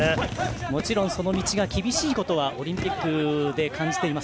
もちろんその道が厳しいことはオリンピックで感じています。